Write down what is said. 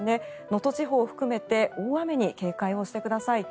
能登地方を含めて大雨に警戒をしてください。